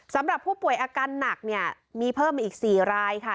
สำหรับผู้ป่วยอาการหนักเนี่ยมีเพิ่มมาอีก๔รายค่ะ